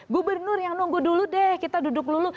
gubernur yang nunggu dulu deh kita duduk dulu